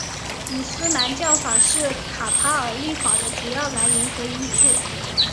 伊斯兰教法是卡塔尔立法的主要来源和依据。